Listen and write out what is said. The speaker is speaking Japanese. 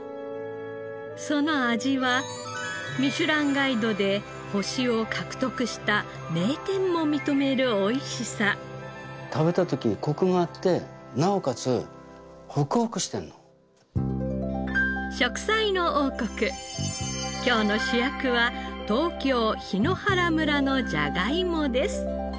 その味は『ミシュランガイド』で星を獲得した名店も認めるおいしさ。食べた時コクがあってなおかつホクホクしてるの。『食彩の王国』今日の主役は東京檜原村のじゃがいもです。